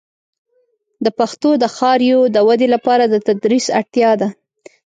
د پښتو د ښاریو د ودې لپاره د تدریس اړتیا ده.